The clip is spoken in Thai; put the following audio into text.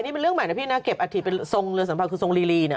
นี่คือเรื่องใหม่นะพี่นะเก็บอาทิตย์ทรงเรือสัมเภาคือทรงริรีนะ